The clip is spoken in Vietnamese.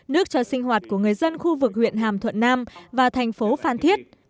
nước cho sinh hoạt của người dân khu vực huyện hàm thuận nam và thành phố phan thiết